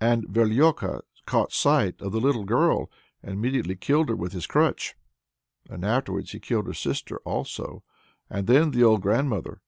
And Verlioka caught sight of the little girl and immediately killed her with his crutch. And afterwards he killed her sister also, and then the old grandmother.